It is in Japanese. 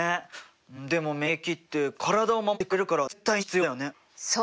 うんでも免疫って体を守ってくれるから絶対に必要だよね。